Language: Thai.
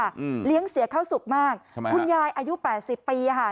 อืมเลี้ยงเสียเข้าสุขมากทำไมคุณยายอายุแปดสิบปีอ่ะค่ะ